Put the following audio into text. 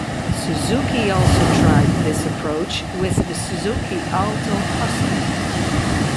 Suzuki also tried this approach with the Suzuki Alto Hustle.